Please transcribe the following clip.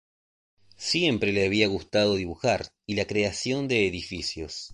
Siempre le había gustado dibujar y la creación de edificios.